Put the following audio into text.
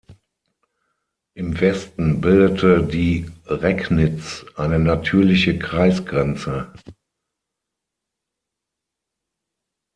Im Westen bildete die Recknitz eine natürliche Kreisgrenze.